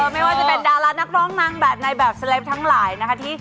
ไม่ว่าจะเป็นดารานักร้องนางแบบในแบบสเล็ปทั้งหลายนะคะ